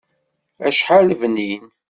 Acḥal bnin!